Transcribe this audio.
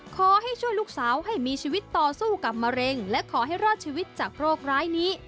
ขอให้ช่วยลูกสาวให้มีชีวิตต่อสู้กับมะเร็งและขอให้รอดชีวิตจากโรคร้ายนี้